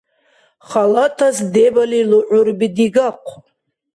Халатас дебали лугӀурби дигахъу.